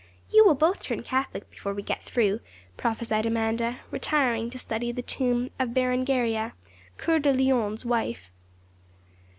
'You will both turn Catholic before we get through,' prophesied Amanda, retiring to study the tomb of Berengaria, Coeur de Lion's wife.